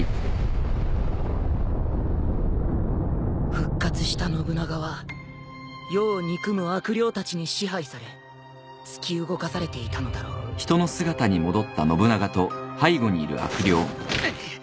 復活した信長は世を憎む悪霊たちに支配され突き動かされていたのだろううっ！